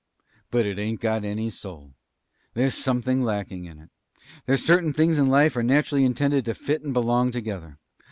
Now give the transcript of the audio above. But it ain't got any soul. There's something lacking to it. There's certain things in life that are naturally intended to fit and belong together.